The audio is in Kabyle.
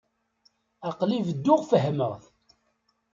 Aql-i bedduɣ fehhmeɣ-t.